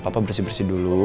papa bersih bersih dulu